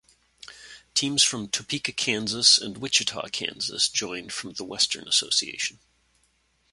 Teams from Topeka, Kansas, and Wichita, Kansas, joined from the Western Association.